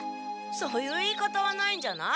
そういう言い方はないんじゃない？